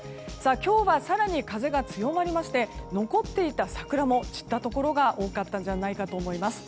今日は更に風が強まりまして残っていた桜も散ったところが多かったんじゃないかと思います。